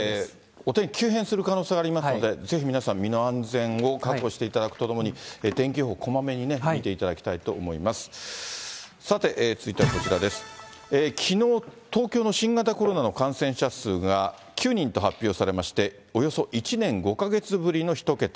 お天気急変する可能性がありますので、ぜひ皆さん、身の安全を確保していただくとともに、天気予報、こまめに見ていただきたきのう、東京の新型コロナの感染者数が９人と発表されまして、およそ１年５か月ぶりの１桁。